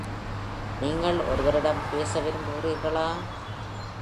நீங்கள் ஒருவரிடம் பேச விரும்புகிறீர்களா?